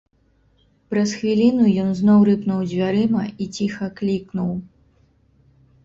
Праз хвіліну ён зноў рыпнуў дзвярыма і ціха клікнуў.